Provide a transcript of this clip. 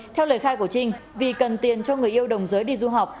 theo lời khai của trinh vì cần tiền cho người yêu đồng giới đi du học